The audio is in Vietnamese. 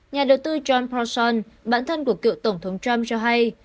nhà đầu tư john prason bản thân của cựu tổng thống trump cho hay